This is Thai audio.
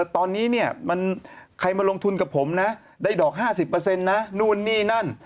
ตอนนี้เนี่ยมันใครมาลงทุนกับผมนะได้ดอกห้าสิบเปอร์เซ็นต์นะนู่นนี่นั่น